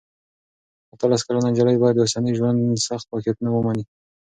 اتلس کلنه نجلۍ باید د اوسني ژوند سخت واقعیتونه ومني.